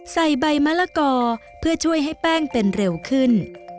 ใส่ใบมะละกอเพื่อช่วยให้แป้งเป็นเร็วขึ้น